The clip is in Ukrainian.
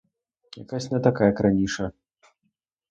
Якась не така, як раніше.